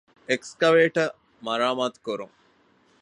އެސްކަވޭޓަރ މަރާމާތުކުރުން